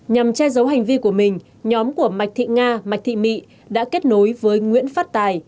nhằm che giấu hành vi của mình nhóm của mạch thị nga mạch thị mị đã kết nối với nguyễn phát tài